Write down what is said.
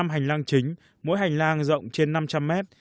năm hành lang chính mỗi hành lang rộng trên năm trăm linh mét